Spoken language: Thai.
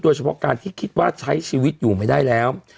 เฉพาะการที่คิดว่าใช้ชีวิตอยู่ไม่ได้แล้ว